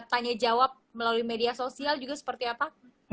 tanya jawab melalui media sosial juga seperti apa